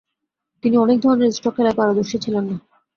তিনি অনেক ধরনের স্ট্রোক খেলায় পারদর্শী ছিলেন না।